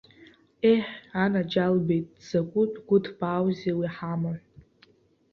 Ееҳ, анаџьалбеит, дзакәытә гәыҭбааузеи уи ҳамаҳә!